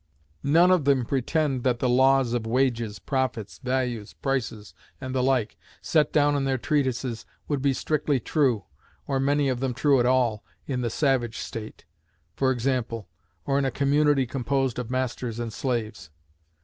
None of them pretend that the laws of wages, profits, values, prices, and the like, set down in their treatises, would be strictly true, or many of them true at all, in the savage state (for example), or in a community composed of masters and slaves.